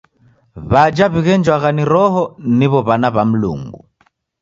W'aja w'ighenjwagha ni Roho niw'o w'ana w'a Mlungu.